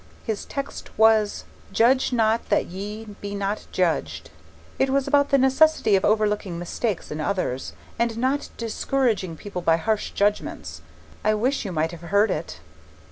His text was: 'Judge not that ye be not judged.' It was about the necessity of overlooking mistakes in others, and not discouraging people by harsh judgments. I wish you might have heard it.